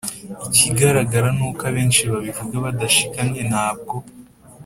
Ikigaragara ni uko abenshi babivuga badashikamye Ntabwo